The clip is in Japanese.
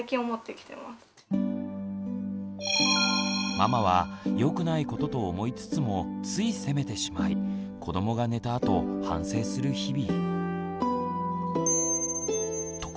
ママはよくないことと思いつつもつい責めてしまい子どもが寝たあと反省する日々。